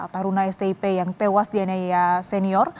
taruna stip yang tewas di anaya senior